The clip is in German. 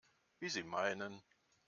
Wie Sie meinen.